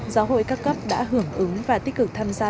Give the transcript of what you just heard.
giáo hội các cấp đã hưởng ứng và tích cực tham gia